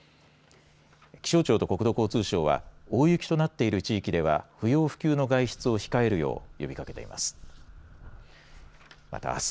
気象庁と国土交通省は大雪となっている地域では不要不急の外出を控えるよう呼びかけています。